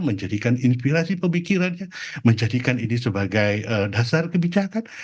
menjadikan inspirasi pemikirannya menjadikan ini sebagai dasar kebijakan